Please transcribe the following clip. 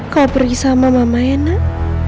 kau pergi sama mama ya nak